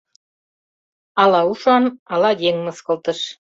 — Ала ушан, ала еҥ мыскылтыш...